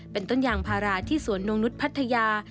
เป็นต้นยางพาราที่สวนนงนุษย์พัทยา